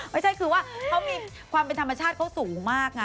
ไม่ใช่คือว่าเขามีความเป็นธรรมชาติเขาสูงมากนะ